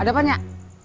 ada apa nyak